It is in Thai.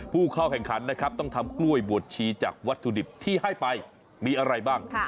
ผู้เข้าแข่งขันนะครับต้องทำกล้วยบวชชีจากวัตถุดิบที่ให้ไปมีอะไรบ้าง